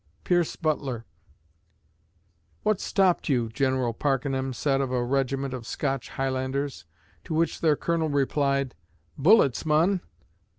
PIERCE BUTLER "What stopped you?" General Pakenham asked of a regiment of Scotch Highlanders. To which their colonel replied: "Bullets, mon!